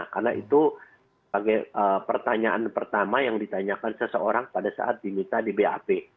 karena itu pertanyaan pertama yang ditanyakan seseorang pada saat diminta di bap